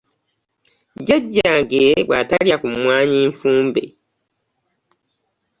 Jajjange bw'atalya ku mwanyi nfumbe!!